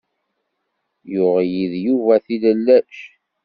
Yuɣ-iyi-d Yuba tilellac.